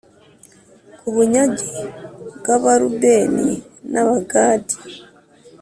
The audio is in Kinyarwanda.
Ku Bunyage bw Abarubeni n Abagadi